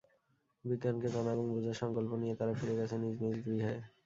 বিজ্ঞানকে জানা এবং বোঝার সংকল্প নিয়ে তারা ফিরে গেছে নিজ নিজ গৃহে।